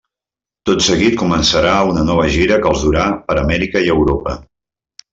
Tot seguit començarà una nova gira que els durà per Amèrica i Europa.